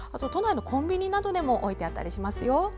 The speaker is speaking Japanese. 都内のコンビニなどでも置いてあったりしますよ。